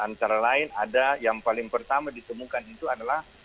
antara lain ada yang paling pertama ditemukan itu adalah